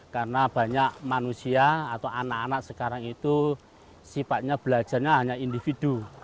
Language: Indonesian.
karena banyak manusia atau anak anak sekarang itu sifatnya belajarnya hanya individu